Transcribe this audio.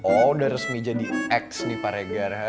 oh udah resmi jadi ex nih pak regar